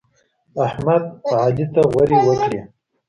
احمد؛ علي ته غورې وکړې.